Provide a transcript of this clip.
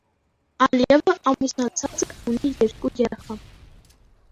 Ալիևը ամուսնացած է, ունի երկու երեխա։